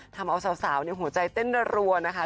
ทำเอาสาวหัวใจเต้นรัวนะคะ